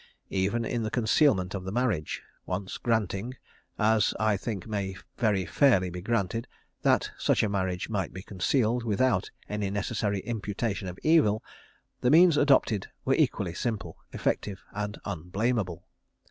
Even in the concealment of the marriage, once granting as I think may very fairly be granted that such a marriage might be concealed without any necessary imputation of evil, the means adopted were equally simple, effective, and unblameable.